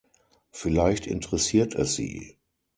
Vielleicht interessiert es sie.